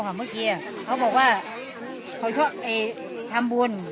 เมื่อกี้เขาบอกว่าเขาชอบทำบุญ